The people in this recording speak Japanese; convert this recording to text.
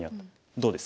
どうです？